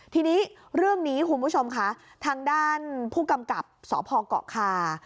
ทีนี้เรื่องนี้คุณผู้ชมค่ะทางด้านผู้กำกับสพเกาะคา